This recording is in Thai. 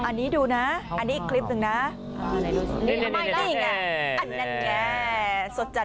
อันนี้ดูนะอันนี้อีกคลิปหนึ่งนะ